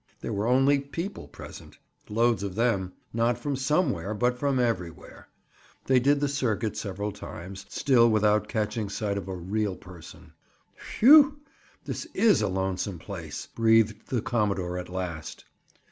There were only people present—loads of them, not from somewhere but from everywhere. They did the circuit several times, still without catching sight of a real person. "Whew! This is a lonesome place!" breathed the commodore at last.